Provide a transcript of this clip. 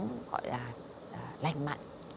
gọi là lành mạnh